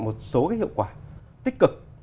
một số cái hiệu quả tích cực